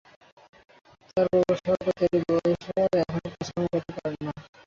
তাঁর বাবা শওকত আলী বয়স হওয়ায় এখন কাজকর্ম করতে পারেন না।